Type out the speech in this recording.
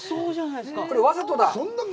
これ、わざとだ。